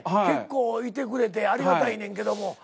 結構いてくれてありがたいねんけども。